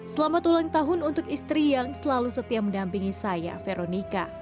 selamat ulang tahun untuk istri yang selalu setia mendampingi saya veronica